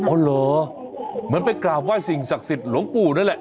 อ๋อเหรอเหมือนไปกราบไห้สิ่งศักดิ์สิทธิ์หลวงปู่นั่นแหละ